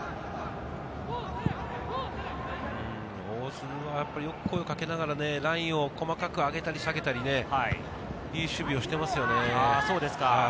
大津はよく声をかけながらラインを細かく上げたり下げたり、いい守備をしていますよね。